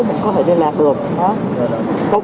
mình có thể liên lạc được